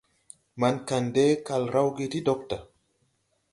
Maŋ Kandɛ kal rawge ti dogta.